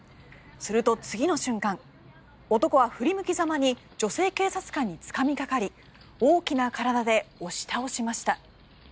すると、次の瞬間男は振り向きざまに女性警察官につかみかかり大きな体で押し倒しました。